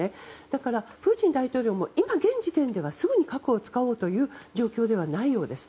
だからプーチン大統領も今、現時点ではすぐに核を使おうという状況ではないようです。